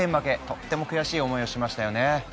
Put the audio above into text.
とっても悔しい思いをしましたよね。